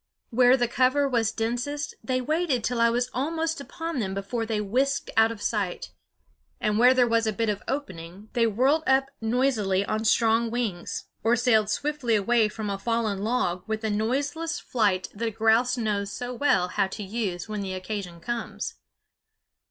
Where the cover was densest they waited till I was almost upon them before they whisked out of sight; and where there was a bit of opening they whirred up noisily on strong wings, or sailed swiftly away from a fallen log with the noiseless flight that a grouse knows so well how to use when the occasion comes.